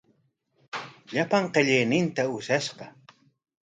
Llapan qillayninta ushashqa.